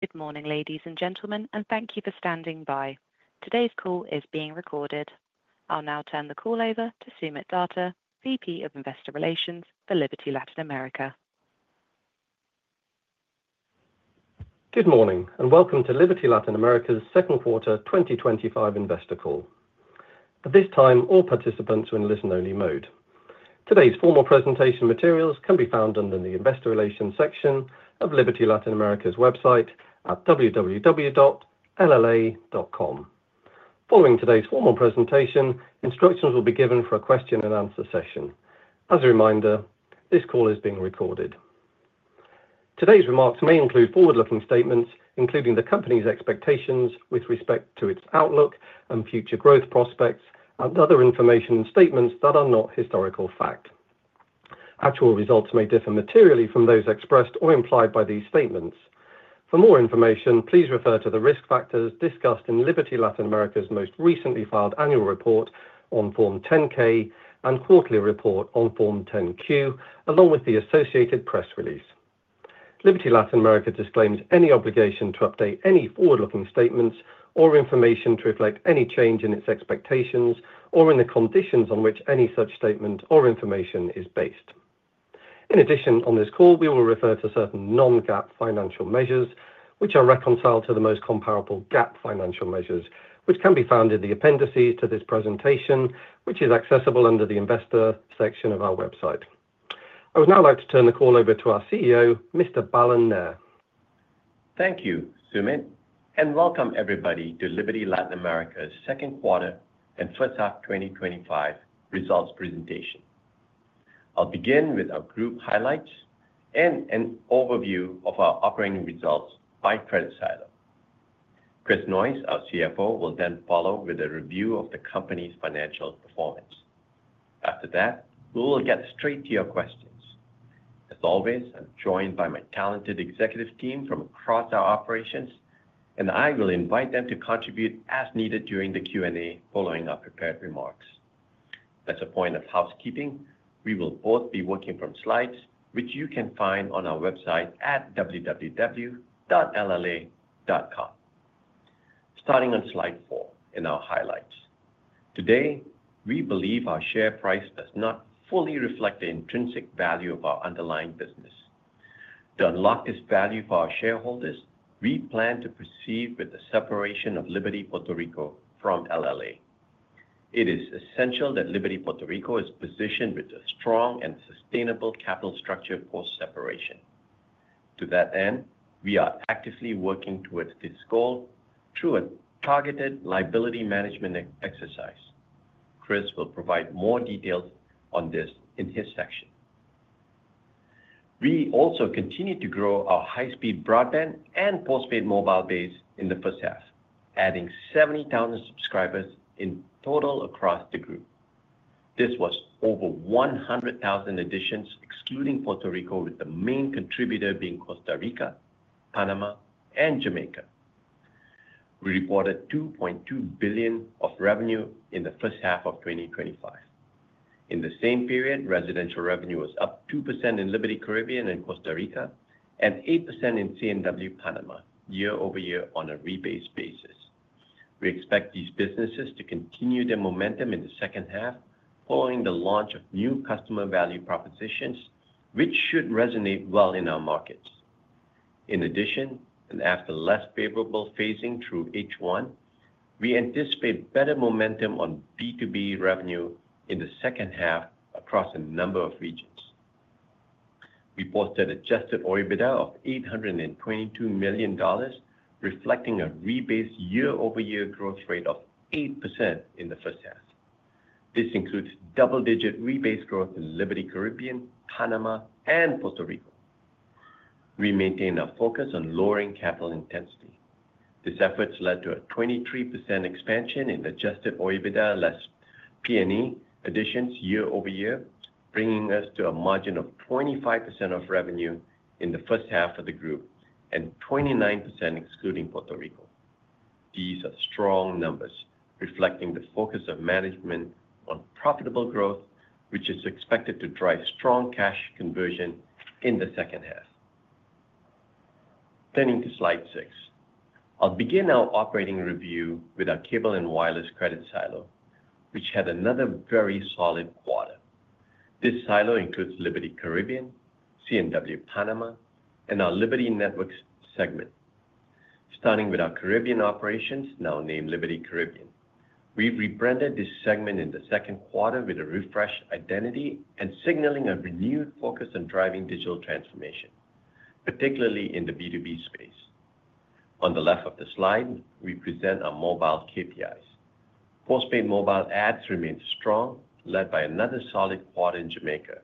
Good morning, ladies and gentlemen, and thank you for standing by. Today's call is being recorded. I'll now turn the call over to Soomit Datta, VP of Investor Relations for Liberty Latin America. Good morning and welcome to Liberty Latin America's second quarter 2025 investor call. At this time, all participants are in listen-only mode. Today's formal presentation materials can be found under the Investor Relations section of Liberty Latin America's website at www.lla.com. Following today's formal presentation, instructions will be given for a question and answer session. As a reminder, this call is being recorded. Today's remarks may include forward-looking statements, including the company's expectations with respect to its outlook and future growth prospects, and other information statements that are not historical fact. Actual results may differ materially from those expressed or implied by these statements. For more information, please refer to the risk factors discussed in Liberty Latin America's most recently filed annual report on Form 10-K and quarterly report on Form 10-Q, along with the associated press release. Liberty Latin America disclaims any obligation to update any forward-looking statements or information to reflect any change in its expectations or in the conditions on which any such statement or information is based. In addition, on this call, we will refer to certain non-GAAP financial measures, which are reconciled to the most comparable GAAP financial measures, which can be found in the appendices to this presentation, which is accessible under the Investor section of our website. I would now like to turn the call over to our CEO, Mr. Balan Nair. Thank you, Soomit, and welcome everybody to Liberty Latin America's second quarter and first half 2025 results presentation. I'll begin with our group highlights and an overview of our operating results by credit silo. Chris Noyes, our CFO, will then follow with a review of the company's financial performance. After that, we will get straight to your questions. As always, I'm joined by my talented executive team from across our operations, and I will invite them to contribute as needed during the Q&A following our prepared remarks. As a point of housekeeping, we will both be working from slides, which you can find on our website at www.lla.com. Starting on slide four in our highlights, today, we believe our share price does not fully reflect the intrinsic value of our underlying business. To unlock this value for our shareholders, we plan to proceed with the separation of Liberty Puerto Rico from LLA. It is essential that Liberty Puerto Rico is positioned with a strong and sustainable capital structure post-separation. To that end, we are actively working towards this goal through a targeted liability management exercise. Chris will provide more details on this in his section. We also continue to grow our high-speed broadband internet and postpaid mobile base in the first half, adding 70,000 subscribers in total across the group. This was over 100,000 additions, excluding Puerto Rico, with the main contributor being Costa Rica, Panama, and Jamaica. We reported $2.2 billion of revenue in the first half of 2025. In the same period, residential revenue was up 2% in Liberty Caribbean and Costa Rica, and 8% in C&W Panama, year-over-year on a rebased basis. We expect these businesses to continue their momentum in the second half, following the launch of new customer value propositions, which should resonate well in our markets. In addition, after less favorable phasing through H1, we anticipate better momentum on B2B revenue in the second half across a number of regions. We posted an adjusted EBITDA of $822 million, reflecting a rebased year-over-year growth rate of 8% in the first half. This includes double-digit rebased growth in Liberty Caribbean, Panama, and Puerto Rico. We maintain our focus on lowering capital intensity. These efforts led to a 23% expansion in adjusted EBITDA less P&E additions year-over-year, bringing us to a margin of 25% of revenue in the first half of the group and 29% excluding Puerto Rico. These are strong numbers, reflecting the focus of management on profitable growth, which is expected to drive strong cash conversion in the second half. Turning to slide six, I'll begin our operating review with our Cable and Wireless credit silo, which had another very solid quarter. This silo includes Liberty Caribbean, C&W Panama, and our Liberty Networks segment. Starting with our Caribbean operations, now named Liberty Caribbean, we've rebranded this segment in the second quarter with a refreshed identity and signaling a renewed focus on driving digital transformation, particularly in the B2B space. On the left of the slide, we present our mobile KPIs. Postpaid mobile ads remain strong, led by another solid quarter in Jamaica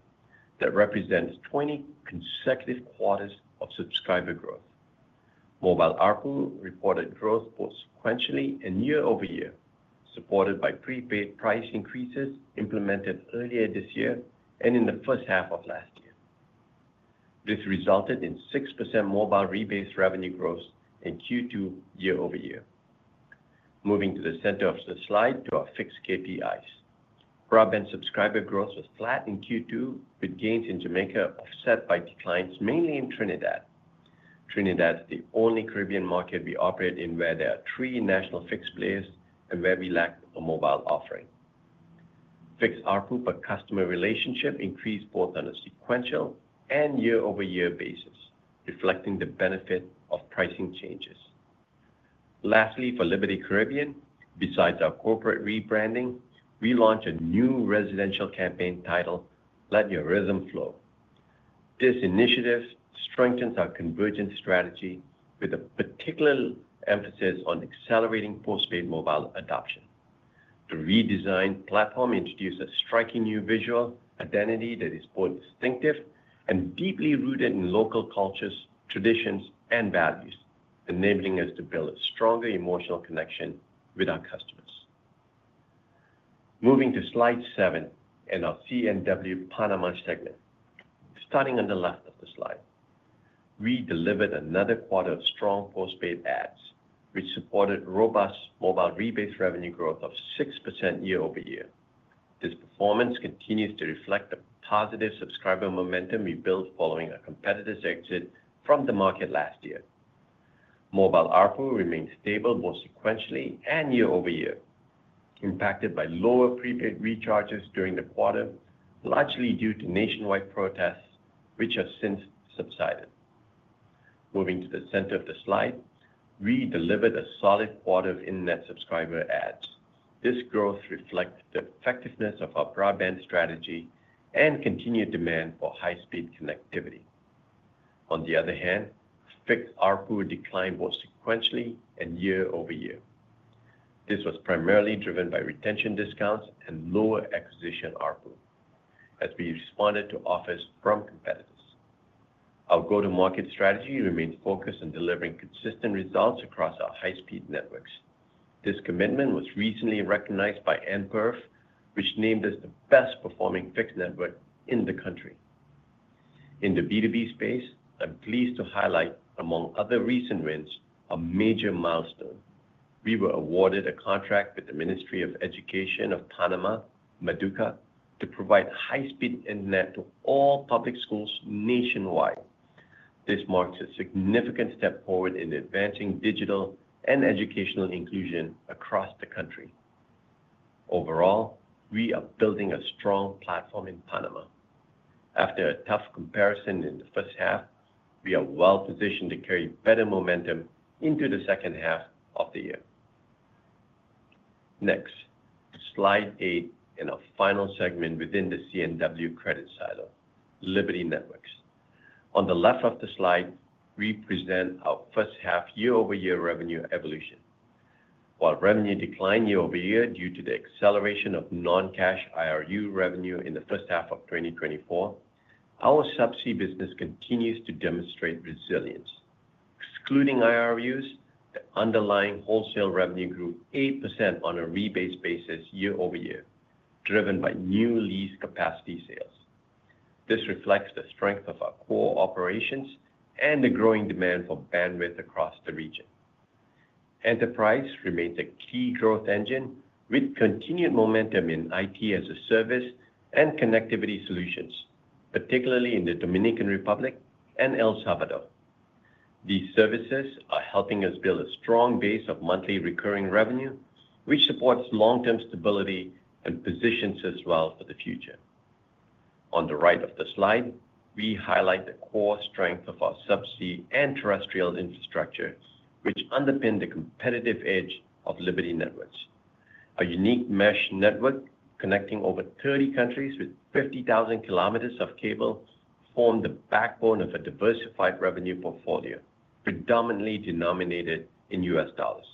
that represents 20 consecutive quarters of subscriber growth. Mobile ARPU reported growth both sequentially and year-over-year, supported by prepaid price increases implemented earlier this year and in the first half of last year. This resulted in 6% mobile rebased revenue growth in Q2 year-over-year. Moving to the center of the slide to our fixed KPIs. Broadband subscriber growth was flat in Q2, with gains in Jamaica offset by declines, mainly in Trinidad. Trinidad is the only Caribbean market we operate in where there are three national fixed players and where we lack a mobile offering. Fixed ARPU per customer relationship increased both on a sequential and year-over-year basis, reflecting the benefit of pricing changes. Lastly, for Liberty Caribbean, besides our corporate rebranding, we launched a new residential campaign titled "Let Your Rhythm Flow." This initiative strengthens our convergence strategy with a particular emphasis on accelerating postpaid mobile adoption. The redesigned platform introduces a striking new visual identity that is both distinctive and deeply rooted in local cultures, traditions, and values, enabling us to build a stronger emotional connection with our customers. Moving to slide seven in our C&W Panama segment, starting on the left of the slide, we delivered another quarter of strong postpaid ads, which supported robust mobile rebased revenue growth of 6% year-over-year. This performance continues to reflect the positive subscriber momentum we built following our competitors' exit from the market last year. Mobile ARPU remains stable both sequentially and year-over-year, impacted by lower prepaid recharges during the quarter, largely due to nationwide protests, which have since subsided. Moving to the center of the slide, we delivered a solid quarter of in-net subscriber ads. This growth reflects the effectiveness of our broadband strategy and continued demand for high-speed connectivity. On the other hand, fixed ARPU declined both sequentially and year-over-year. This was primarily driven by retention discounts and lower acquisition ARPU as we responded to offers from competitors. Our go-to-market strategy remains focused on delivering consistent results across our high-speed networks. This commitment was recently recognized by nPerf, which named us the best-performing fixed network in the country. In the B2B space, I'm pleased to highlight, among other recent wins, a major milestone. We were awarded a contract with the Ministry of Education of Panama, MEDUCA, to provide high-speed internet to all public schools nationwide. This marks a significant step forward in advancing digital and educational inclusion across the country. Overall, we are building a strong platform in Panama. After a tough comparison in the first half, we are well positioned to carry better momentum into the second half of the year. Next, slide eight in our final segment within the C&W credit silo, Liberty Networks. On the left of the slide, we present our first half year-over-year revenue evolution. While revenue declined year-over-year due to the acceleration of non-cash IRU revenue in the first half of 2024, our subsea business continues to demonstrate resilience. Excluding IRUs, the underlying wholesale revenue grew 8% on a rebased basis year-over-year, driven by new lease capacity sales. This reflects the strength of our core operations and the growing demand for bandwidth across the region. Enterprise remains a key growth engine, with continued momentum in IT as a service and connectivity solutions, particularly in the Dominican Republic and El Salvador. These services are helping us build a strong base of monthly recurring revenue, which supports long-term stability and positions us well for the future. On the right of the slide, we highlight the core strength of our subsea and terrestrial infrastructure, which underpins the competitive edge of Liberty Networks. Our unique mesh network, connecting over 30 countries with 50,000 km of cable, forms the backbone of a diversified revenue portfolio, predominantly denominated in U.S. dollars.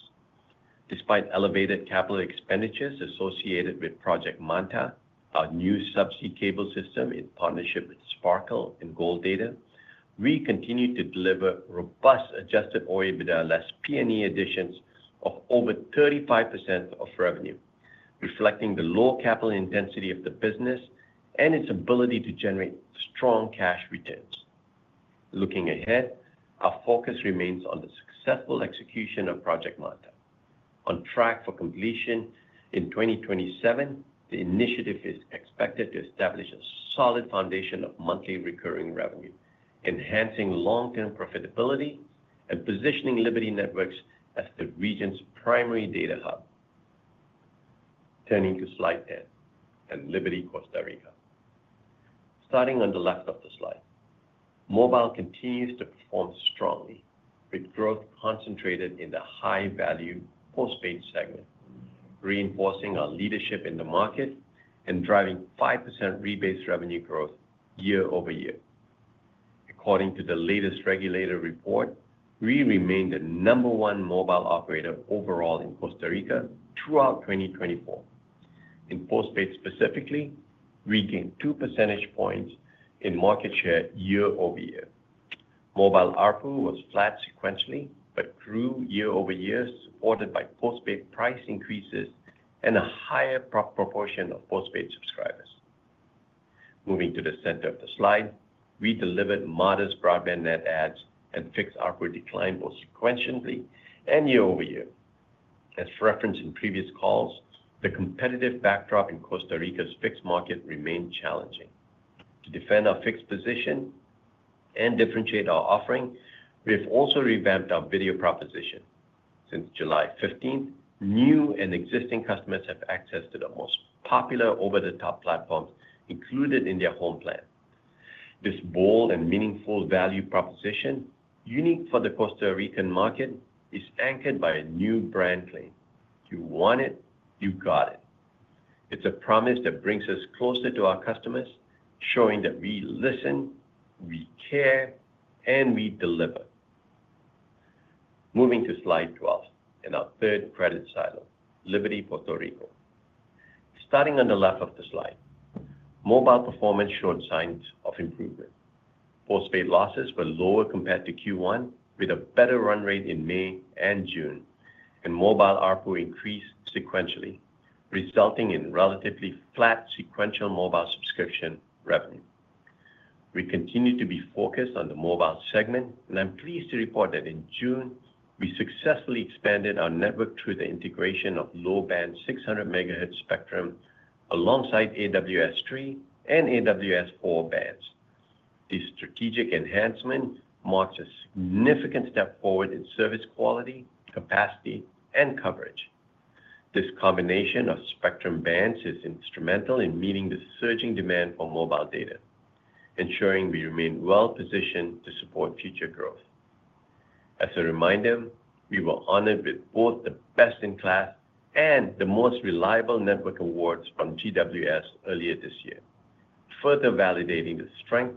Despite elevated capital expenditures associated with Project Manta, our new subsea cable system in partnership with Sparkle and Gold Data, we continue to deliver robust adjusted EBITDA less P&E additions of over 35% of revenue, reflecting the low capital intensity of the business and its ability to generate strong cash returns. Looking ahead, our focus remains on the successful execution of Project Manta. On track for completion in 2027, the initiative is expected to establish a solid foundation of monthly recurring revenue, enhancing long-term profitability and positioning Liberty Networks as the region's primary data hub. Turning to slide 10 and Liberty Costa Rica. Starting on the left of the slide, mobile continues to perform strongly, with growth concentrated in the high-value postpaid segment, reinforcing our leadership in the market and driving 5% rebased revenue growth year-over-year. According to the latest regulator report, we remain the number one mobile operator overall in Costa Rica throughout 2024. In postpaid specifically, we gained two percentage points in market share year-over-year. Mobile ARPU was flat sequentially, but grew year-over-year, supported by postpaid price increases and a higher proportion of postpaid subscribers. Moving to the center of the slide, we delivered modest broadband net adds and fixed ARPU declined both sequentially and year-over-year. As referenced in previous calls, the competitive backdrop in Costa Rica's fixed market remains challenging. To defend our fixed position and differentiate our offering, we've also revamped our video proposition. Since July 15, new and existing customers have access to the most popular over-the-top platforms included in their home plan. This bold and meaningful value proposition, unique for the Costa Rican market, is anchored by a new brand claim: "You want it, you got it." It's a promise that brings us closer to our customers, showing that we listen, we care, and we deliver. Moving to slide 12 in our third credit silo, Liberty Puerto Rico. Starting on the left of the slide, mobile performance showed signs of improvement. Postpaid losses were lower compared to Q1, with a better run rate in May and June, and mobile ARPU increased sequentially, resulting in relatively flat sequential mobile subscription revenue. We continue to be focused on the mobile segment, and I'm pleased to report that in June, we successfully expanded our network through the integration of low-band 600 megahertz spectrum alongside AWS 3 and AWS 4 bands. This strategic enhancement marks a significant step forward in service quality, capacity, and coverage. This combination of spectrum bands is instrumental in meeting the surging demand for mobile data, ensuring we remain well positioned to support future growth. As a reminder, we were honored with both the Best in Class and the Most Reliable Network awards from GWS earlier this year, further validating the strength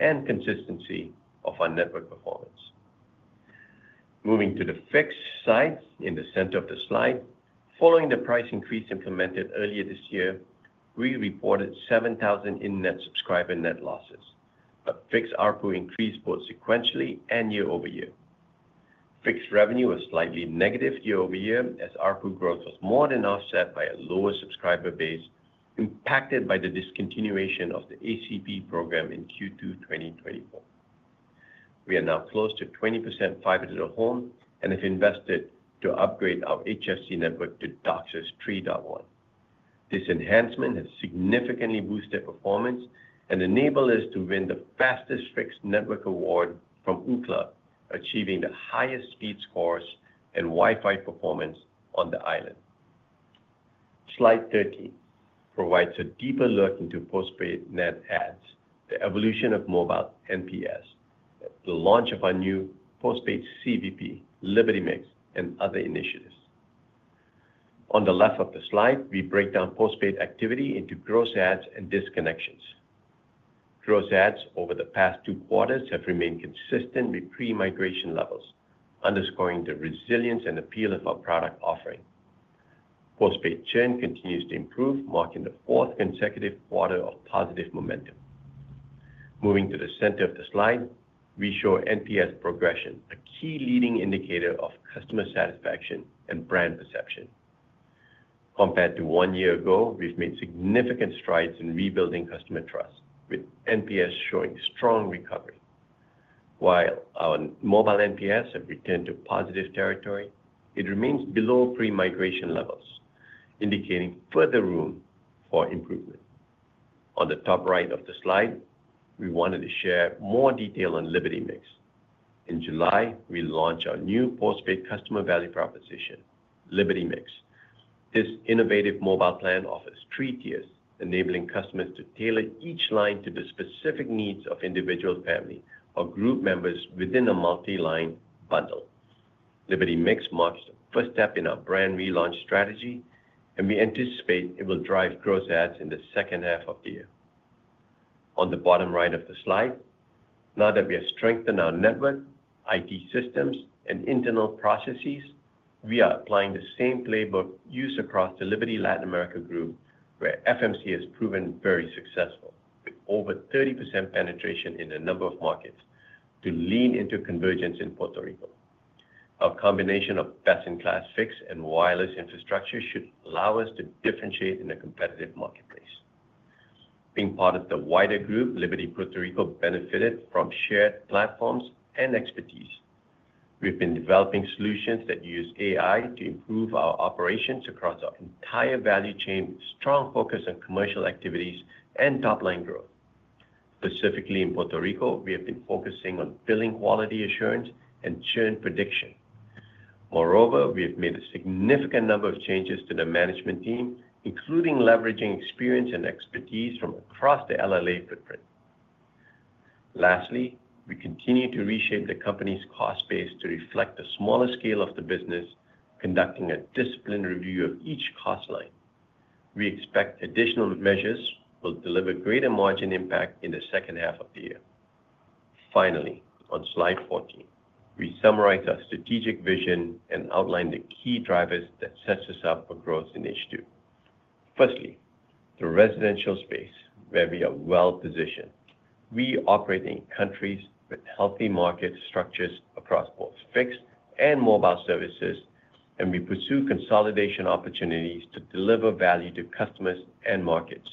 and consistency of our network performance. Moving to the fixed side in the center of the slide, following the price increase implemented earlier this year, we reported 7,000 in-net subscriber net losses, but fixed ARPU increased both sequentially and year-over-year. Fixed revenue was slightly negative year-over-year as ARPU growth was more than offset by a lower subscriber base, impacted by the discontinuation of the ACP program in Q2 2024. We are now close to 20% fiber-to-the-home and have invested to upgrade our HFC network to DOCSIS 3.1. This enhancement has significantly boosted performance and enabled us to win the fastest fixed network award from Ookla, achieving the highest speed scores and Wi-Fi performance on the island. Slide 13 provides a deeper look into postpaid net ads, the evolution of mobile NPS, the launch of our new postpaid CVP, Liberty Mix, and other initiatives. On the left of the slide, we break down postpaid activity into gross ads and disconnections. Gross ads over the past two quarters have remained consistent with pre-migration levels, underscoring the resilience and appeal of our product offering. Postpaid churn continues to improve, marking the fourth consecutive quarter of positive momentum. Moving to the center of the slide, we show NPS progression, a key leading indicator of customer satisfaction and brand perception. Compared to one year ago, we've made significant strides in rebuilding customer trust, with NPS showing strong recovery. While our mobile NPS has returned to positive territory, it remains below pre-migration levels, indicating further room for improvement. On the top right of the slide, we wanted to share more detail on Liberty Mix. In July, we launched our new postpaid customer value proposition, Liberty Mix. This innovative mobile plan offers three tiers, enabling customers to tailor each line to the specific needs of individuals, families, or group members within a multi-line bundle. Liberty Mix marks the first step in our brand relaunch strategy, and we anticipate it will drive gross ads in the second half of the year. On the bottom right of the slide, now that we have strengthened our network, IT systems, and internal processes, we are applying the same playbook used across the Liberty Latin America group, where FMC has proven very successful, over 30% penetration in a number of markets, to lean into convergence in Puerto Rico. Our combination of best-in-class fixed and wireless infrastructure should allow us to differentiate in a competitive marketplace. Being part of the wider group, Liberty Puerto Rico benefited from shared platforms and expertise. We've been developing solutions that use AI to improve our operations across our entire value chain, with a strong focus on commercial activities and top-line growth. Specifically in Puerto Rico, we have been focusing on billing quality assurance and churn prediction. Moreover, we have made a significant number of changes to the management team, including leveraging experience and expertise from across the LLA footprint. Lastly, we continue to reshape the company's cost base to reflect the smaller scale of the business, conducting a disciplined review of each cost line. We expect additional measures will deliver greater margin impact in the second half of the year. Finally, on slide 14, we summarize our strategic vision and outline the key drivers that set us up for growth in H2. Firstly, the residential space, where we are well positioned. We operate in countries with healthy market structures across both fixed and mobile services, and we pursue consolidation opportunities to deliver value to customers and markets.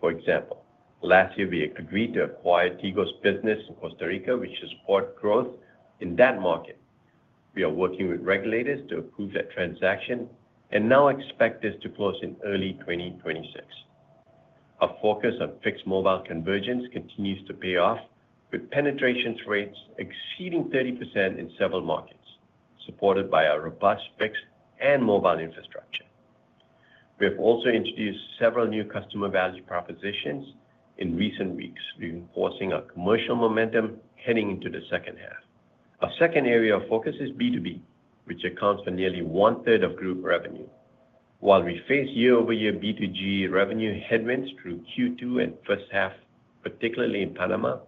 For example, last year we agreed to acquire Tigo's business in Costa Rica, which supports growth in that market. We are working with regulators to approve that transaction and now expect this to close in early 2026. Our focus on fixed mobile convergence continues to pay off, with penetration rates exceeding 30% in several markets, supported by our robust fixed and mobile infrastructure. We have also introduced several new customer value propositions in recent weeks, reinforcing our commercial momentum heading into the second half. Our second area of focus is B2B, which accounts for nearly one-third of group revenue. While we face year-over-year B2G revenue headwinds through Q2 and first half, particularly in Panama,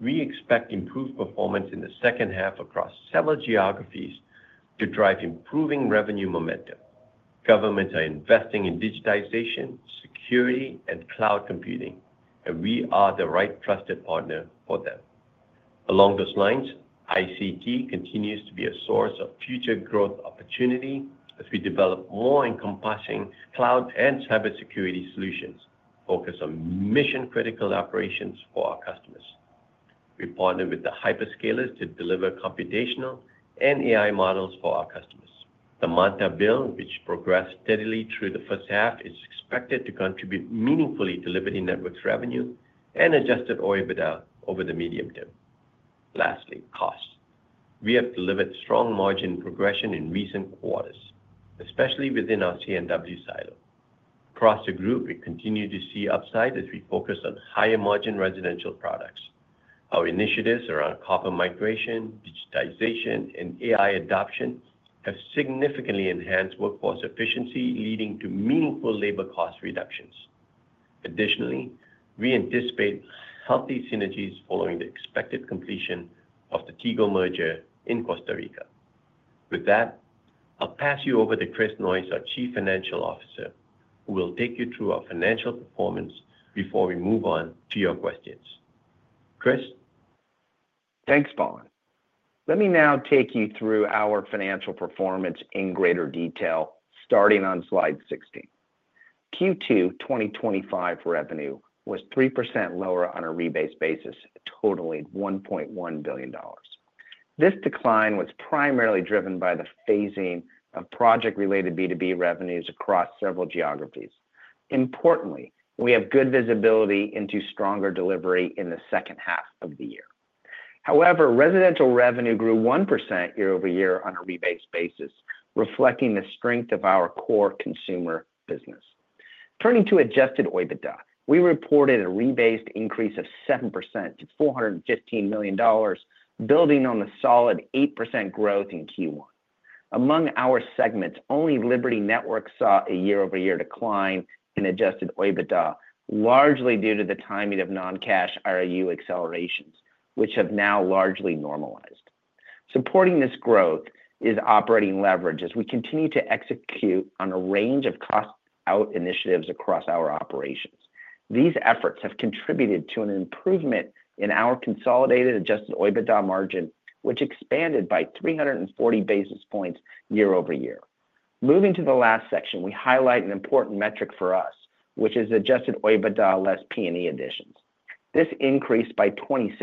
we expect improved performance in the second half across several geographies to drive improving revenue momentum. Governments are investing in digitization, security, and cloud computing, and we are the right trusted partner for them. Along those lines, ICT continues to be a source of future growth opportunity as we develop more encompassing cloud and cybersecurity solutions, focused on mission-critical operations for our customers. We partner with the hyperscalers to deliver computational and AI models for our customers. The Project Manta build, which progressed steadily through the first half, is expected to contribute meaningfully to Liberty Networks' revenue and adjusted EBITDA over the medium term. Lastly, cost. We have delivered strong margin progression in recent quarters, especially within our C&W Panama silo. Across the group, we continue to see upside as we focus on higher margin residential products. Our initiatives around carbon migration, digitization, and AI adoption have significantly enhanced workforce efficiency, leading to meaningful labor cost reductions. Additionally, we anticipate healthy synergies following the expected completion of the Tigo merger in Costa Rica.With that, I'll pass you over to Chris Noyes, our Chief Financial Officer, who will take you through our financial performance before we move on to your questions. Chris? Thanks, Balan. Let me now take you through our financial performance in greater detail, starting on slide 16. Q2 2025 revenue was 3% lower on a rebased basis, totaling $1.1 billion. This decline was primarily driven by the phasing of project-related B2B revenues across several geographies. Importantly, we have good visibility into stronger delivery in the second half of the year. However, residential revenue grew 1% year-over-year on a rebased basis, reflecting the strength of our core consumer business. Turning to adjusted EBITDA, we reported a rebased increase of 7% to $415 million, building on the solid 8% growth in Q1. Among our segments, only Liberty Networks saw a year-over-year decline in adjusted EBITDA, largely due to the timing of non-cash IRU accelerations, which have now largely normalized. Supporting this growth is operating leverage, as we continue to execute on a range of cost-out initiatives across our operations. These efforts have contributed to an improvement in our consolidated adjusted EBITDA margin, which expanded by 340 basis points year-over-year. Moving to the last section, we highlight an important metric for us, which is adjusted EBITDA less P&E additions. This increased by 26%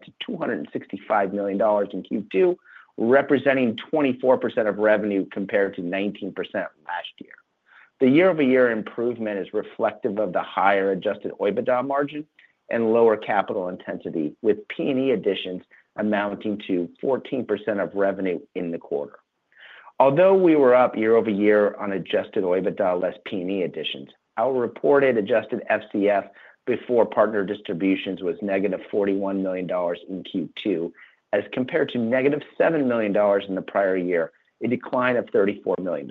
to $265 million in Q2, representing 24% of revenue compared to 19% last year. The year-over-year improvement is reflective of the higher adjusted EBITDA margin and lower capital intensity, with P&E additions amounting to 14% of revenue in the quarter. Although we were up year-over-year on adjusted EBITDA less P&E additions, our reported adjusted FCF before partner distributions was negative $41 million in Q2, as compared to negative $7 million in the prior year, a decline of $34 million.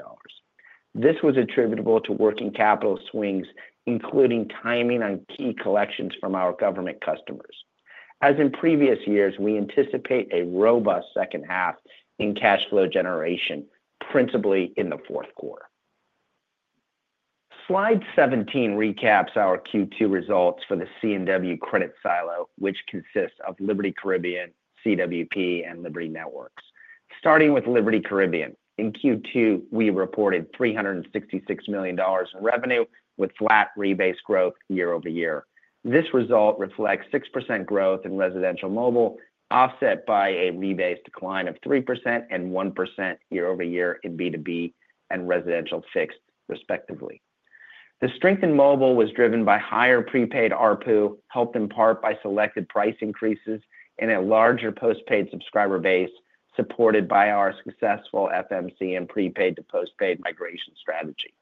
This was attributable to working capital swings, including timing on key collections from our government customers. As in previous years, we anticipate a robust second half in cash flow generation, principally in the fourth quarter. Slide 17 recaps our Q2 results for the C&W credit silo, which consists of Liberty Caribbean, CWP, and Liberty Networks. Starting with Liberty Caribbean, in Q2, we reported $366 million in revenue, with flat rebased growth year-over-year. This result reflects 6% growth in residential mobile, offset by a rebased decline of 3% and 1% year-over-year in B2B and residential fixed, respectively. The strength in mobile was driven by higher prepaid ARPU, helped in part by selected price increases and a larger postpaid subscriber base, supported by our successful FMC and prepaid to postpaid migration strategy.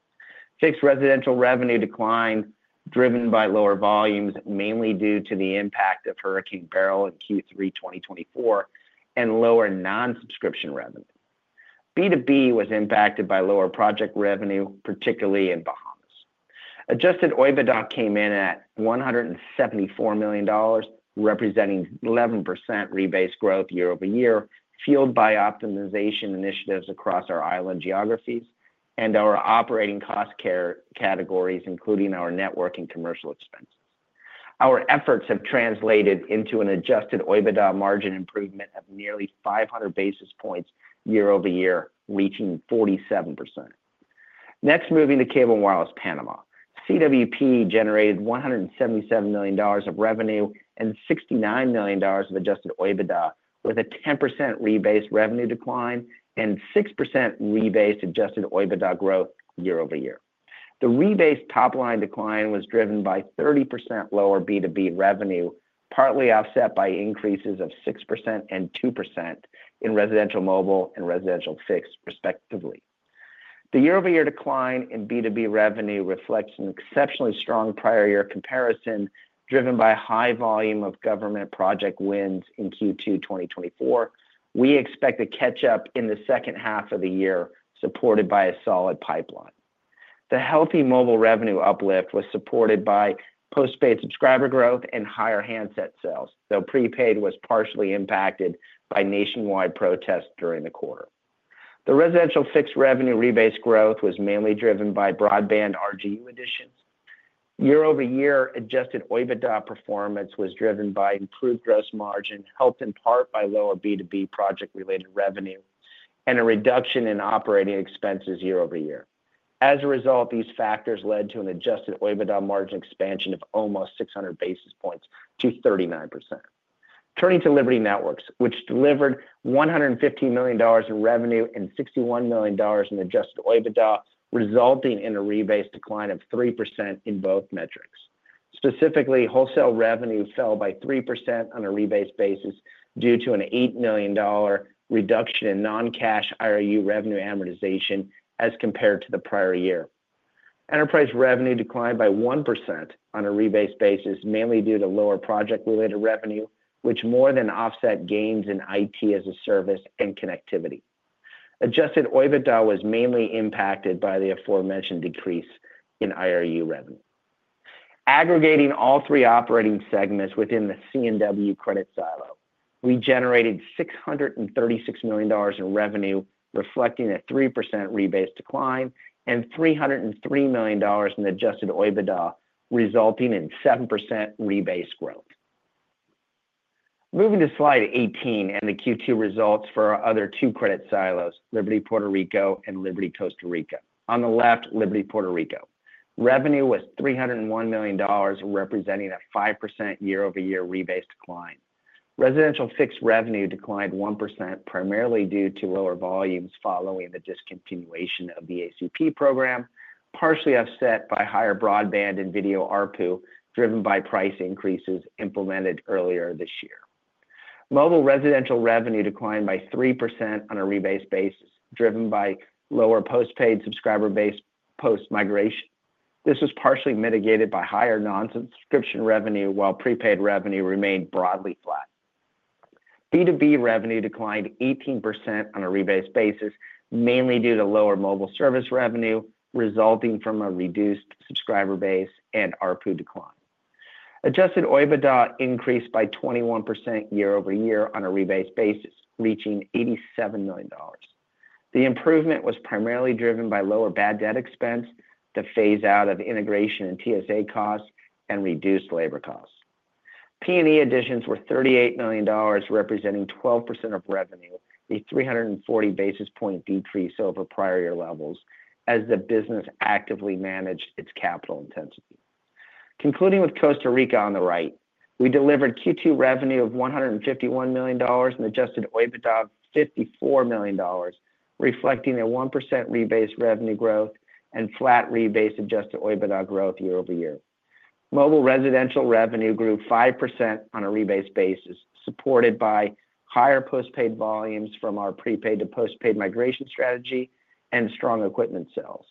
Fixed residential revenue declined, driven by lower volumes, mainly due to the impact of Hurricane Beryl in Q3 2024, and lower non-subscription revenue. B2B was impacted by lower project revenue, particularly in Bahamas. Adjusted EBITDA came in at $174 million, representing 11% rebased growth year-over-year, fueled by optimization initiatives across our island geographies and our operating cost care categories, including our network and commercial expenses. Our efforts have translated into an adjusted EBITDA margin improvement of nearly 500 basis points year-over-year, reaching 47%. Next, moving to Cable and Wireless Panama, CWP generated $177 million of revenue and $69 million of adjusted EBITDA, with a 10% rebased revenue decline and 6% rebased adjusted EBITDA growth year-over-year. The rebased top-line decline was driven by 30% lower B2B revenue, partly offset by increases of 6% and 2% in residential mobile and residential fixed, respectively. The year-over-year decline in B2B revenue reflects an exceptionally strong prior year comparison, driven by a high volume of government project wins in Q2 2024. We expect a catch-up in the second half of the year, supported by a solid pipeline. The healthy mobile revenue uplift was supported by postpaid subscriber growth and higher handset sales, though prepaid was partially impacted by nationwide protests during the quarter. The residential fixed revenue rebased growth was mainly driven by broadband RGU additions. Year-over-year adjusted EBITDA performance was driven by improved gross margin, helped in part by lower B2B project-related revenue, and a reduction in operating expenses year-over-year. As a result, these factors led to an adjusted EBITDA margin expansion of almost 600 basis points to 39%. Turning to Liberty Networks, which delivered $115 million in revenue and $61 million in adjusted EBITDA, resulting in a rebased decline of 3% in both metrics. Specifically, wholesale revenue fell by 3% on a rebased basis due to an $8 million reduction in non-cash IRU revenue amortization as compared to the prior year. Enterprise revenue declined by 1% on a rebased basis, mainly due to lower project-related revenue, which more than offset gains in IT as a service and connectivity. Adjusted EBITDA was mainly impacted by the aforementioned decrease in IRU revenue. Aggregating all three operating segments within the C&W credit silo, we generated $636 million in revenue, reflecting a 3% rebased decline, and $303 million in adjusted EBITDA, resulting in 7% rebased growth. Moving to slide 18 and the Q2 results for our other two credit silos, Liberty Puerto Rico and Liberty Costa Rica. On the left, Liberty Puerto Rico. Revenue was $301 million, representing a 5% year-over-year rebased decline. Residential fixed revenue declined 1%, primarily due to lower volumes following the discontinuation of the ACP program, partially offset by higher broadband and video ARPU, driven by price increases implemented earlier this year. Mobile residential revenue declined by 3% on a rebased basis, driven by lower postpaid subscriber base post-migration. This was partially mitigated by higher non-subscription revenue, while prepaid revenue remained broadly flat. B2B revenue declined 18% on a rebased basis, mainly due to lower mobile service revenue, resulting from a reduced subscriber base and ARPU decline. Adjusted EBITDA increased by 21% year-over-year on a rebased basis, reaching $87 million. The improvement was primarily driven by lower bad debt expense, the phase-out of integration and TSA costs, and reduced labor costs. P&E additions were $38 million, representing 12% of revenue, a 340 basis point decrease over prior year levels, as the business actively managed its capital intensity. Concluding with Costa Rica on the right, we delivered Q2 revenue of $151 million and adjusted EBITDA of $54 million, reflecting a 1% rebased revenue growth and flat rebased adjusted EBITDA growth year-over-year. Mobile residential revenue grew 5% on a rebased basis, supported by higher postpaid volumes from our prepaid to postpaid migration strategy and strong equipment sales.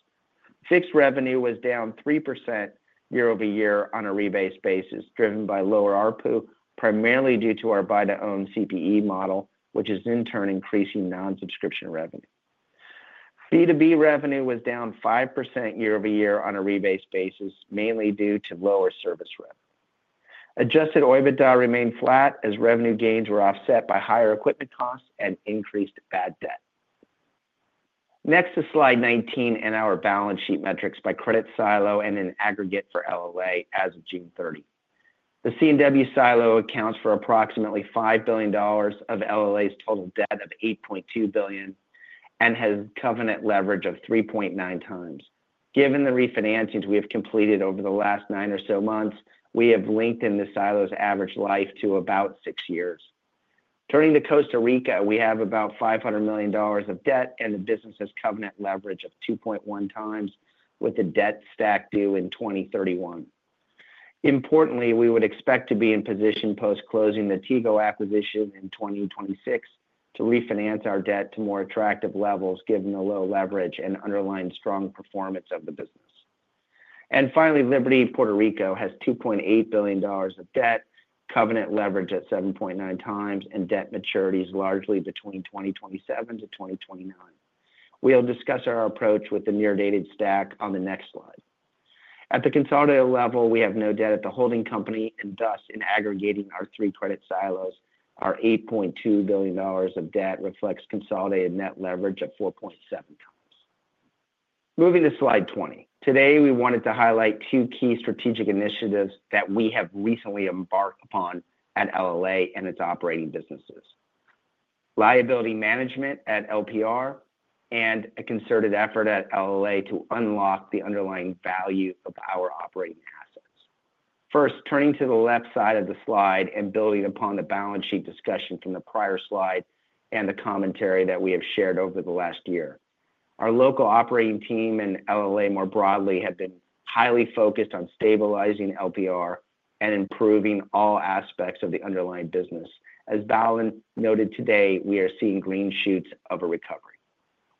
Fixed revenue was down 3% year-over-year on a rebased basis, driven by lower ARPU, primarily due to our buy-to-own CPE model, which is in turn increasing non-subscription revenue. B2B revenue was down 5% year-over-year on a rebased basis, mainly due to lower service revenue. Adjusted EBITDA remained flat as revenue gains were offset by higher equipment costs and increased bad debt. Next to slide 19 and our balance sheet metrics by credit silo and in aggregate for LLA as of June 30. The C&W silo accounts for approximately $5 billion of LLA's total debt of $8.2 billion and has covenant leverage of 3.9x. Given the refinancings we have completed over the last nine or so months, we have lengthened the silo's average life to about six years. Turning to Costa Rica, we have about $500 million of debt and the business has covenant leverage of 2.1 times, with a debt stack due in 2031. Importantly, we would expect to be in position post-closing the Tigo acquisition in 2026 to refinance our debt to more attractive levels, given the low leverage and underlying strong performance of the business. Finally, Liberty Puerto Rico has $2.8 billion of debt, covenant leverage at 7.9x, and debt maturity is largely between 2027-2029. We will discuss our approach with the near-dated stack on the next slide. At the consolidated level, we have no debt at the holding company, and thus, in aggregating our three credit silos, our $8.2 billion of debt reflects consolidated net leverage at 4.7x. Moving to slide 20. Today, we wanted to highlight two key strategic initiatives that we have recently embarked upon at LLA and its operating businesses: liability management at LPR and a concerted effort at LLA. to unlock the underlying value of our operating assets. First, turning to the left side of the slide and building upon the balance sheet discussion from the prior slide and the commentary that we have shared over the last year, our local operating team and LLA more broadly have been highly focused on stabilizing LPR and improving all aspects of the underlying business. As Balan Nair noted today, we are seeing green shoots of a recovery.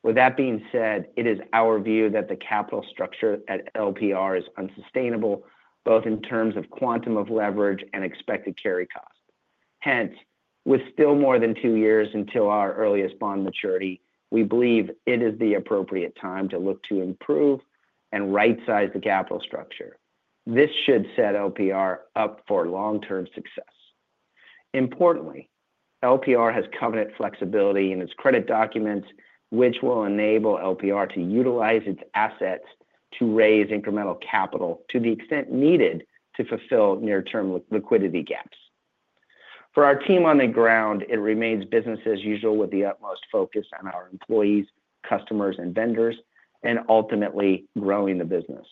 With that being said, it is our view that the capital structure at LPR is unsustainable, both in terms of quantum of leverage and expected carry cost. Hence, with still more than two years until our earliest bond maturity, we believe it is the appropriate time to look to improve and right-size the capital structure. This should set LPR up for long-term success. Importantly, LPR has coveted flexibility in its credit documents, which will enable LPR to utilize its assets to raise incremental capital to the extent needed to fulfill near term liquidity gaps for our team on the ground, and remains business as usual with the utmost focus on our employees, customers and vendors and ultimately growing the business.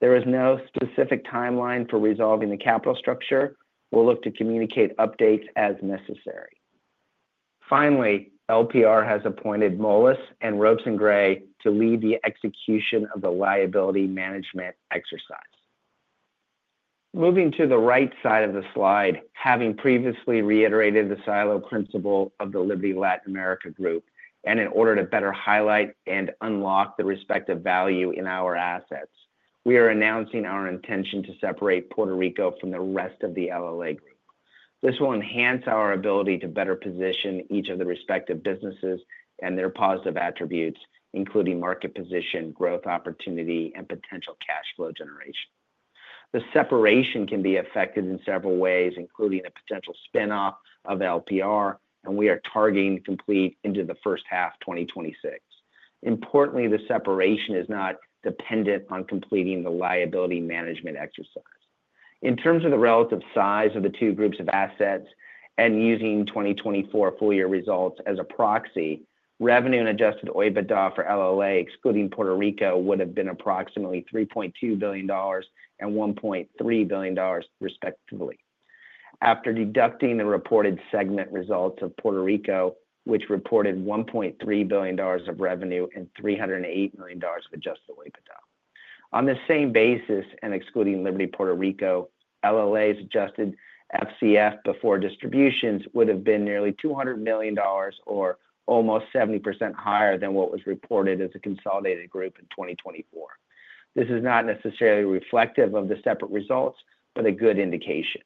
There is no specific timeline for resolving the capital structure. We will look to communicate updates as necessary. Finally, LPR has appointed Moelis and Robson Gray to lead the execution of the liability management exercise. Moving to the right side of the slide, having previously reiterated the silo principle of the Liberty Latin America group, and in order to better highlight and unlock the respective value in our assets, we are announcing our intention to separate Puerto Rico from the rest of the LLA group. This will enhance our ability to better position each of the respective businesses and their positive attributes, including market position, growth opportunity, and potential cash flow generation. The separation can be effected in several ways, including a potential spin-off of LPR, and we are targeting to complete in the first half of 2026. Importantly, the separation is not dependent on completing the liability management exercise. In terms of the relative size of the two groups of assets and using 2024 full-year results as a proxy, revenue and adjusted EBITDA for LLA, excluding Puerto Rico, would have been approximately $3.2 billion and $1.3 billion, respectively. After deducting the reported segment results of Puerto Rico, which reported $1.3 billion of revenue and $308 million of adjusted EBITDA, on the same basis and excluding Liberty Puerto Rico, LLA's adjusted FCF before distributions would have been nearly $200 million or almost 70% higher than what was reported as a consolidated group in 2024. This is not necessarily reflective of the separate results, but a good indication.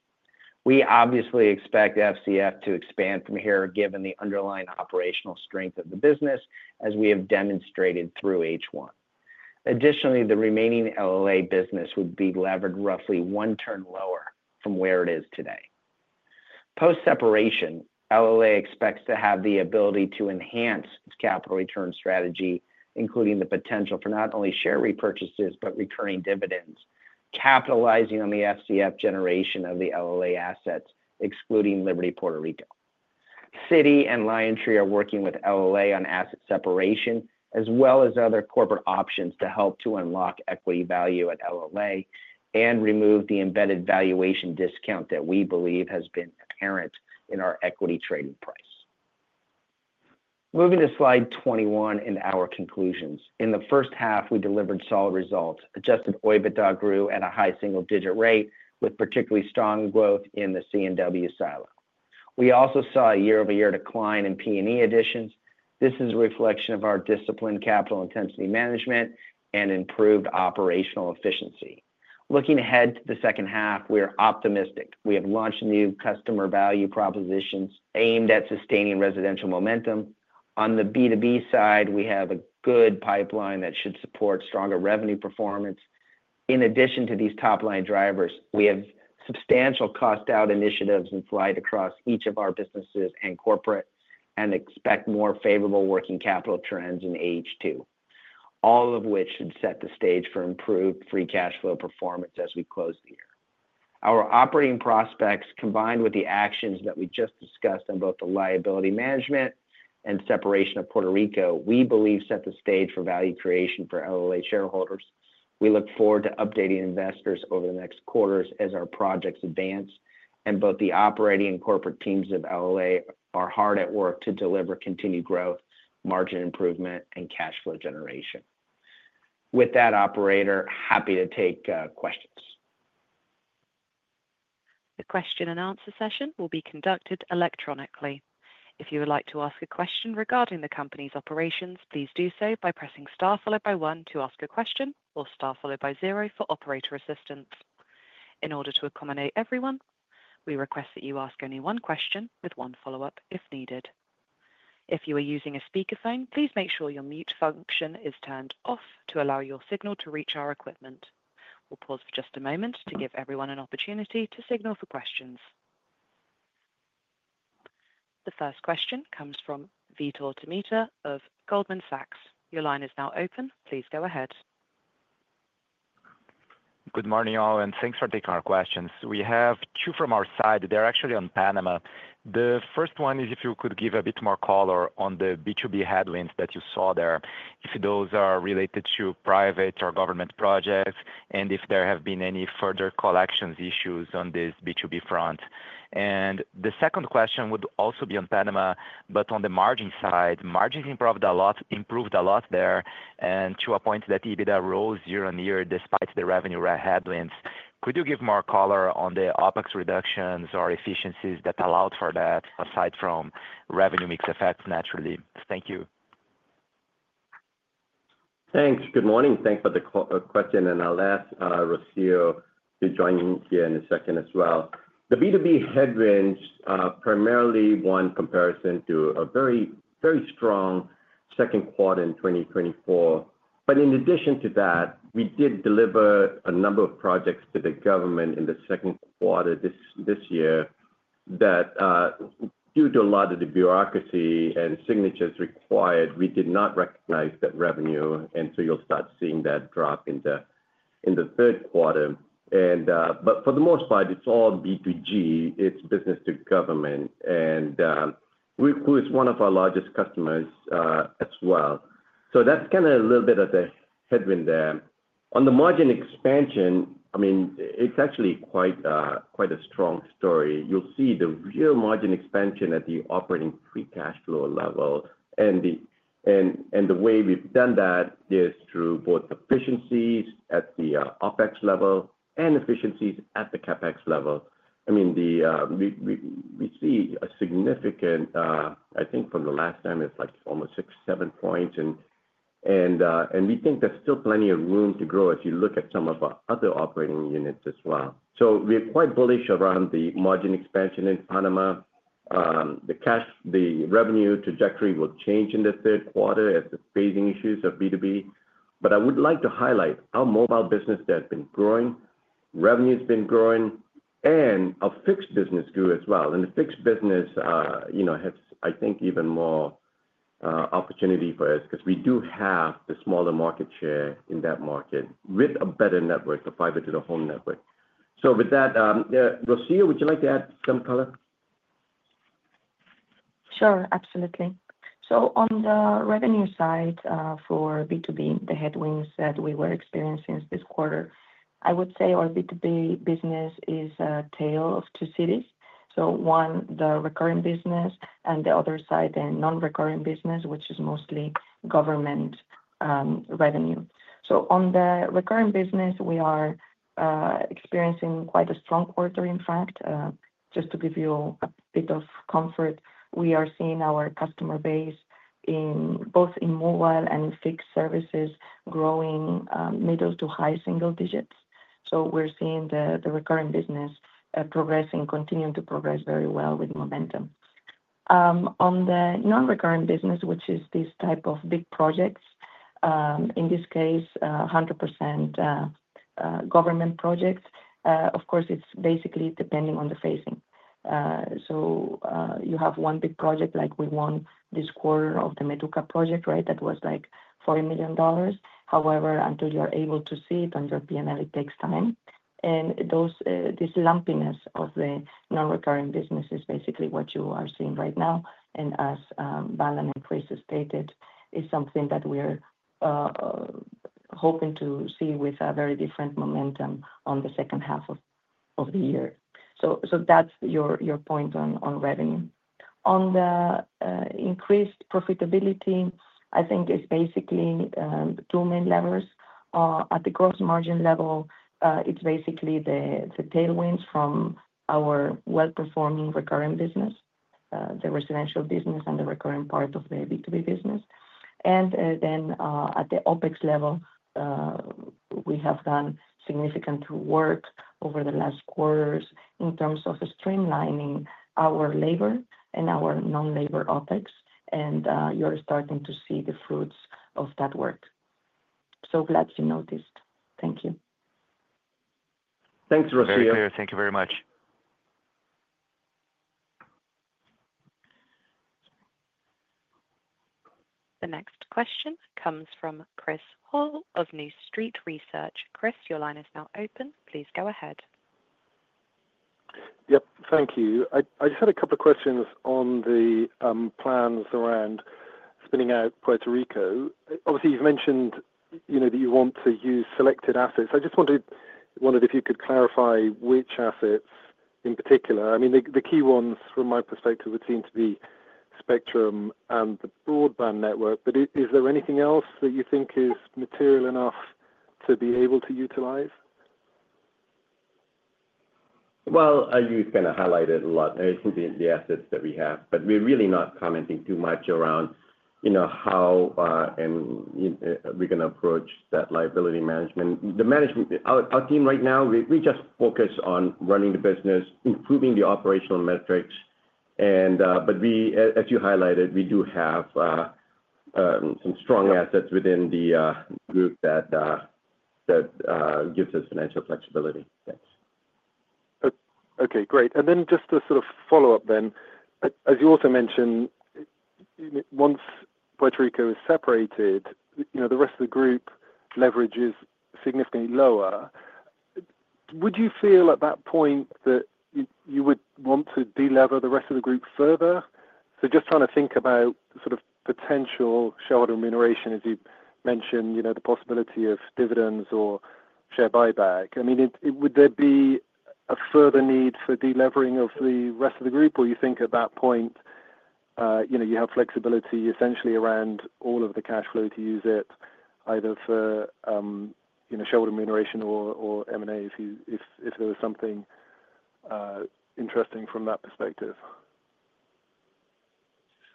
We obviously expect FCF to expand from here, given the underlying operational strength of the business, as we have demonstrated through H1. Additionally, the remaining LLA business would be levered roughly one turn lower from where it is today. Post-separation, LLA expects to have the ability to enhance its capital return strategy, including the potential for not only share repurchases but recurring dividends, capitalizing on the FCF generation of the LLA assets, excluding Liberty Puerto Rico. Citi and LionTree are working with LLA on asset separation, as well as other corporate options to help to unlock equity value at LLA and remove the embedded valuation discount that we believe has been apparent in our equity trading price. Moving to slide 21 and our conclusions. In the first half, we delivered solid results. Adjusted EBITDA grew at a high single-digit rate, with particularly strong growth in the C&W silo. We also saw a year-over-year decline in P&E additions. This is a reflection of our disciplined capital intensity management and improved operational efficiency. Looking ahead to the second half, we are optimistic. We have launched new customer value propositions aimed at sustaining residential momentum. On the B2B side, we have a good pipeline that should support stronger revenue performance. In addition to these top-line drivers, we have substantial cost-out initiatives in flight across each of our businesses and corporate and expect more favorable working capital trends in H2, all of which should set the stage for improved free cash flow performance as we close the year. Our operating prospects, combined with the actions that we just discussed on both the liability management and separation of Puerto Rico, we believe set the stage for value creation for LLA shareholders. We look forward to updating investors over the next quarters as our projects advance, and both the operating and corporate teams of LLA are hard at work to deliver continued growth, margin improvement, and cash flow generation. With that, operator, happy to take questions. The question and answer session will be conducted electronically. If you would like to ask a question regarding the company's operations, please do so by pressing star one to ask a question or star zero for operator assistance. In order to accommodate everyone, we request that you ask only one question with one follow-up if needed. If you are using a speakerphone, please make sure your mute function is turned off to allow your signal to reach our equipment. We'll pause for just a moment to give everyone an opportunity to signal for questions. The first question comes from Vitor Tomita of Goldman Sachs. Your line is now open. Please go ahead. Good morning, all, and thanks for taking our questions. We have two from our side. They're actually on Panama. The first one is if you could give a bit more color on the B2B headwinds that you saw there, if those are related to private or government projects, and if there have been any further collections issues on this B2B front. The second question would also be on Panama, but on the margin side. Margins improved a lot there, and to a point that EBITDA rose year on year despite the revenue headwinds. Could you give more color on the OpEx reductions or efficiencies that allowed for that, aside from revenue mix effects, naturally? Thank you. Thanks. Good morning. Thanks for the question, and I'll ask Rocio to join here in a second as well. The B2B headwinds primarily won comparison to a very, very strong second quarter in 2024. In addition to that, we did deliver a number of projects to the government in the second quarter this year that, due to a lot of the bureaucracy and signatures required, we did not recognize that revenue. You'll start seeing that drop in the third quarter. For the most part, it's all B2G. It's business to government, and Rocio is one of our largest customers as well. That's kind of a little bit of the headwind there. On the margin expansion, it's actually quite a strong story. You'll see the real margin expansion at the operating free cash flow level. The way we've done that is through both efficiencies at the OpEx level and efficiencies at the CapEx level. We see a significant, I think from the last time, it's like almost 6, 7 points. We think there's still plenty of room to grow as you look at some of our other operating units as well. We're quite bullish around the margin expansion in Panama. The revenue trajectory will change in the third quarter as the phasing issues of B2B. I would like to highlight our mobile business that's been growing, revenue's been growing, and our fixed business grew as well. The fixed business, you know, has, I think, even more opportunity for us because we do have the smaller market share in that market with a better network, a fiber-to-the-home network. With that, Rocio, would you like to add some color? Sure, absolutely. On the revenue side for B2B, the headwinds that we were experiencing this quarter, I would say our B2B business is a tale of two cities. One, the recurring business, and the other side, the non-recurring business, which is mostly government revenue. On the recurring business, we are experiencing quite a strong quarter, in fact. Just to give you a bit of comfort, we are seeing our customer base in both mobile and in fixed services growing middle to high single digits. We're seeing the recurring business progressing, continuing to progress very well with momentum. On the non-recurring business, which is these types of big projects, in this case, 100% government projects, it's basically depending on the phasing. You have one big project, like we won this quarter of the MEDUCA project, right? That was like $40 million. However, until you're able to see it on your P&L, it takes time. This lumpiness of the non-recurring business is basically what you are seeing right now. As Balan and Chris stated, it's something that we're hoping to see with a very different momentum in the second half of the year. That's your point on revenue. On the increased profitability, I think it's basically two main levers. At the gross margin level, it's basically the tailwinds from our well-performing recurring business, the residential business and the recurring part of the B2B business. At the OpEx level, we have done significant work over the last quarters in terms of streamlining our labor and our non-labor OpEx. You're starting to see the fruits of that work. Glad you noticed. Thank you. Thanks, Rocio. Thank you very much. The next question comes from Chris Hoare of New Street Research. Chris, your line is now open. Please go ahead. Thank you. I just had a couple of questions on the plans around spinning out Puerto Rico. Obviously, you've mentioned that you want to use selected assets. I just wondered if you could clarify which assets in particular. I mean, the key ones from my perspective would seem to be Spectrum and the broadband network, but is there anything else that you think is material enough to be able to utilize? As you've kind of highlighted a lot, there's the assets that we have, but we're really not commenting too much around, you know, how we're going to approach that liability management. The management, our team right now, we just focus on running the business, improving the operational metrics. As you highlighted, we do have some strong assets within the group that gives us financial flexibility. Thanks. Okay, great. Just to sort of follow up then, as you also mentioned, once Puerto Rico is separated, you know, the rest of the group leverage is significantly lower. Would you feel at that point that you would want to delever the rest of the group further? Just trying to think about sort of potential shareholder remuneration, as you mentioned, you know, the possibility of dividends or share buyback. I mean, would there be a further need for delevering of the rest of the group, or you think at that point, you know, you have flexibility essentially around all of the cash flow to use it either for, you know, shareholder remuneration or M&A if there was something interesting from that perspective?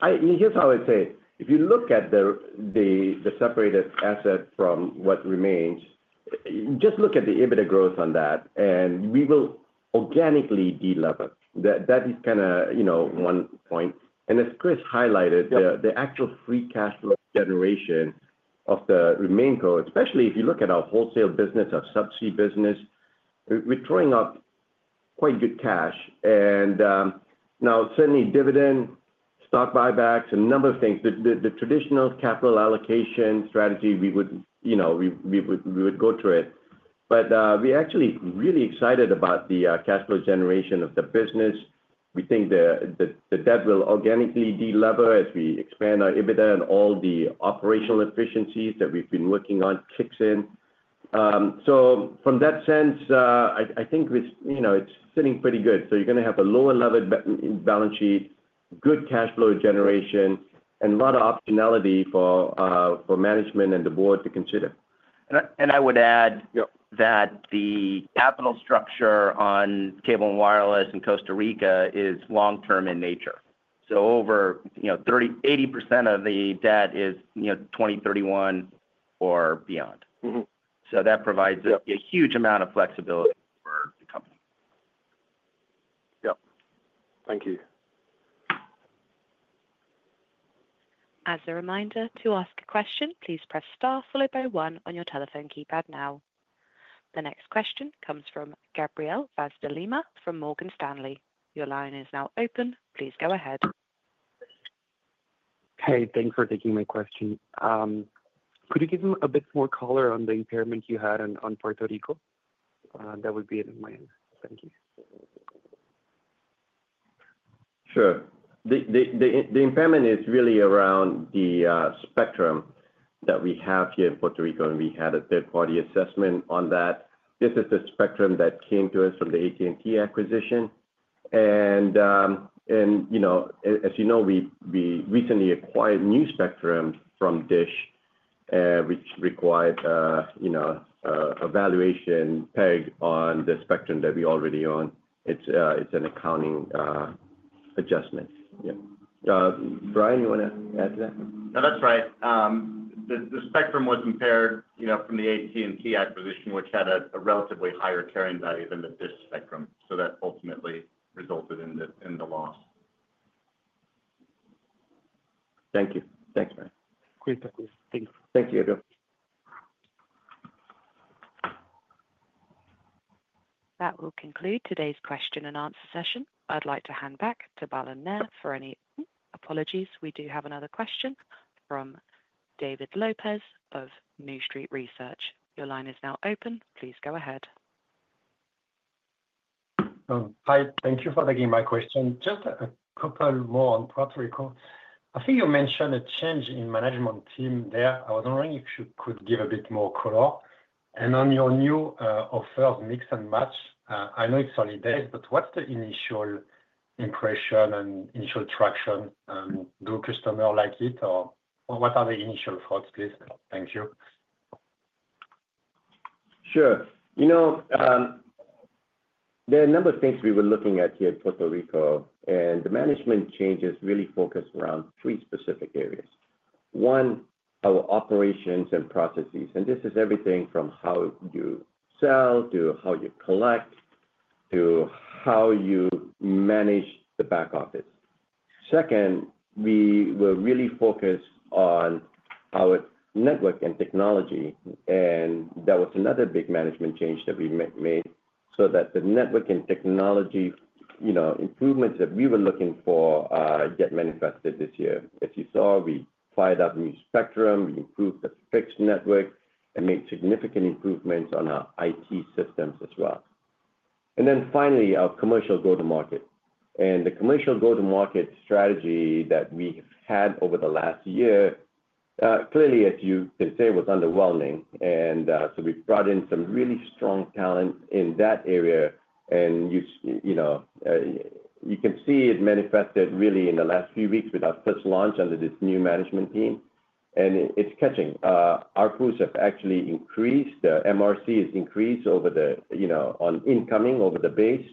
Here's how I'd say it. If you look at the separated asset from what remains, just look at the EBITDA growth on that, and we will organically delever. That is kind of, you know, one point. As Chris highlighted, the actual free cash flow generation of the remainder, especially if you look at our wholesale business, our subsidy business, we're throwing up quite good cash. Now certainly dividend, stock buybacks, a number of things, the traditional capital allocation strategy, we would, you know, we would go through it. We're actually really excited about the cash flow generation of the business. We think the debt will organically delever as we expand our EBITDA and all the operational efficiencies that we've been working on kick in. From that sense, I think it's sitting pretty good. You're going to have a lower leverage balance sheet, good cash flow generation, and a lot of optionality for management and the board to consider. I would add that the capital structure on Cable & Wireless in Costa Rica is long-term in nature. Over 80% of the debt is 2031 or beyond. That provides a huge amount of flexibility for the company. Thank you. As a reminder, to ask a question, please press star one on your telephone keypad now. The next question comes from Gabriel Vaz de Lima from Morgan Stanley. Your line is now open. Please go ahead. Hey, thanks for taking my question. Could you give me a bit more color on the impairment you had on Puerto Rico? That would be it on my end. Thank you. Sure. The impairment is really around the spectrum that we have here in Puerto Rico, and we had a third-party assessment on that. This is the spectrum that came to us from the AT&T acquisition. As you know, we recently acquired new spectrum from DISH, which required a valuation peg on the spectrum that we already own. It's an accounting adjustment. Brian, you want to add to that? No, that's right. The Spectrum was impaired, you know, from the AT&T acquisition, which had a relatively higher carrying value than the Dish Spectrum. That ultimately resulted in the loss. Thank you. Thanks, Brian. Great, talk to you. Thanks. Thank you, Gabriel. That will conclude today's question and answer session. I'd like to hand back to Balan Nair for any apologies. We do have another question from David Lopez of New Street Research. Your line is now open. Please go ahead. Hi. Thank you for taking my question. Just a couple more on Puerto Rico. I think you mentioned a change in the management team there. I was wondering if you could give a bit more color. On your new offer of mix and match, I know it's only days, but what's the initial impression and initial traction? Do customers like it, or what are the initial thoughts, please? Thank you. Sure. There are a number of things we were looking at here in Puerto Rico, and the management change is really focused around three specific areas. One, our operations and processes, and this is everything from how you sell to how you collect to how you manage the back office. Second, we were really focused on our network and technology, and that was another big management change that we made so that the network and technology improvements that we were looking for get manifested this year. As you saw, we fired up a new spectrum, improved the fixed network, and made significant improvements on our IT systems as well. Finally, our commercial go-to-market. The commercial go-to-market strategy that we have had over the last year, clearly, as you can say, was underwhelming. We brought in some really strong talent in that area, and you can see it manifested really in the last few weeks with our first launch under this new management team. It's catching. Our crews have actually increased. The MRC has increased on incoming over the base,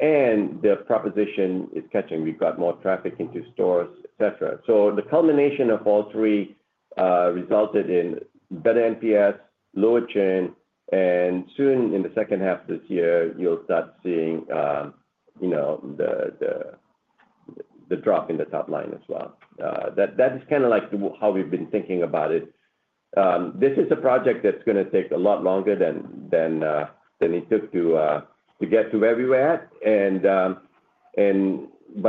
and the proposition is catching. We've got more traffic into stores, etc. The culmination of all three resulted in better NPS, lower churn, and soon in the second half of this year, you'll start seeing the drop in the top line as well. That is kind of like how we've been thinking about it. This is a project that's going to take a lot longer than it took to get to where we were at.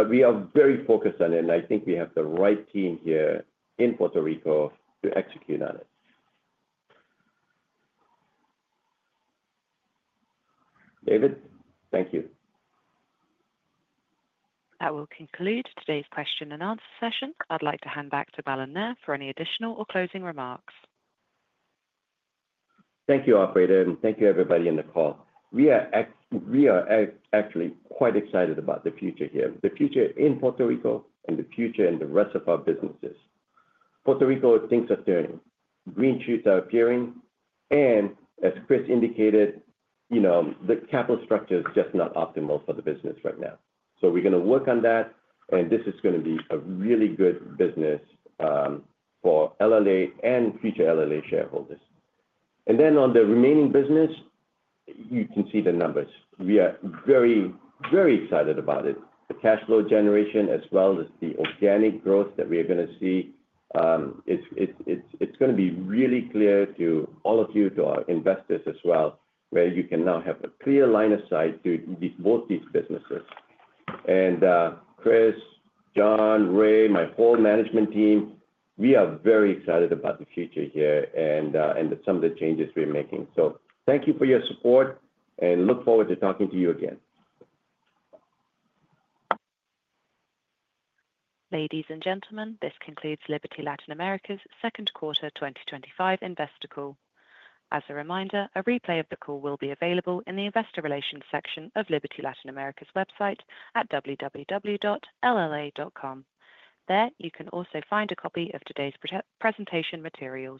We are very focused on it, and I think we have the right team here in Puerto Rico to execute on it. David, thank you. That will conclude today's question and answer session. I'd like to hand back to Balan Nair for any additional or closing remarks. Thank you, operator, and thank you, everybody on the call. We are actually quite excited about the future here, the future in Puerto Rico, and the future in the rest of our businesses. Puerto Rico, things are turning. Green shoots are appearing, and as Chris indicated, the capital structure is just not optimal for the business right now. We are going to work on that, and this is going to be a really good business for LLA and future LLA shareholders. On the remaining business, you can see the numbers. We are very, very excited about it. The cash flow generation, as well as the organic growth that we are going to see, it's going to be really clear to all of you, to our investors as well, where you can now have a clear line of sight to both these businesses. Chris, John, Ray, my whole management team, we are very excited about the future here and some of the changes we're making. Thank you for your support, and look forward to talking to you again. Ladies and gentlemen, this concludes Liberty Latin America second quarter 2025 investor call. As a reminder, a replay of the call will be available in the Investor Relations section of Liberty Latin America Ltd.'s website at www.lla.com. There, you can also find a copy of today's presentation materials.